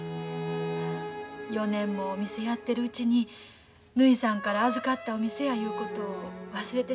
４年もお店やってるうちにぬひさんから預かったお店やいうことを忘れてしもてんのかもしれません。